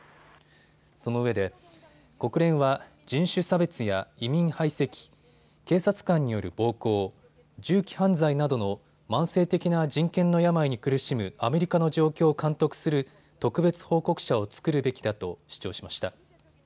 そのうえで国連は人種差別や移民排斥、警察官による暴行、銃器犯罪などの慢性的な人権の病に苦しむアメリカの状況を監督する特別報告者を作るべきだと主張しました。